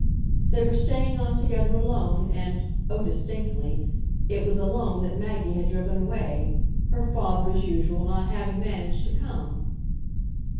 They were staying on together alone, and oh distinctly! it was alone that Maggie had driven away, her father, as usual, not having managed to come.